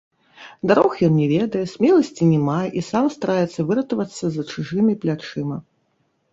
Дарог ён не ведае, смеласці не мае і сам стараецца выратавацца за чужымі плячыма.